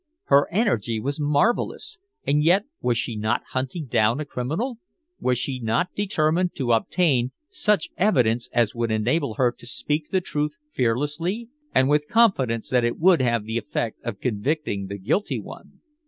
Her energy was marvelous and yet was she not hunting down a criminal? was she not determined to obtain such evidence as would enable her to speak the truth fearlessly, and with confidence that it would have the effect of convicting the guilty one?